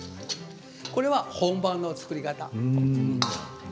これは本場の作り方。